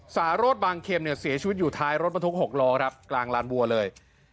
สารสบางเข็มเนี่ยเสียชีวิตอยู่ท้ายรถบรรทุก๖ล้อครับกลางลานบัวเลย